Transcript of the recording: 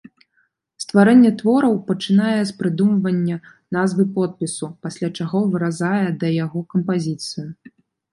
Стварэнне твораў пачынае з прыдумвання назвы-подпісу, пасля чаго выразае да яго кампазіцыю.